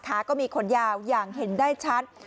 ก็มีขนยาวอย่างเห็นได้ชัด